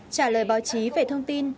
trả lời báo chí về thông tin